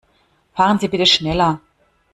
Fahren Sie bitte schneller.